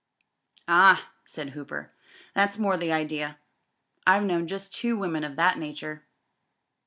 "Ah," said Hooper. "That's more the idea. I've known just two women of that nature."